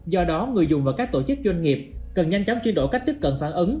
do đó người dùng và các tổ chức doanh nghiệp cần nhanh chóng chuyển đổi cách tiếp cận phản ứng